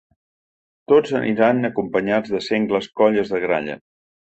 Tots aniran acompanyats de sengles colles de gralles.